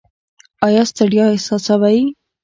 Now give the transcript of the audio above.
ایا ستړیا احساسوئ؟